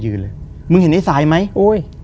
คือก่อนอื่นพี่แจ็คผมได้ตั้งชื่อ